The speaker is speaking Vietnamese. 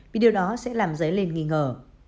vì điều đó sẽ làm giấy lên nghi ngờ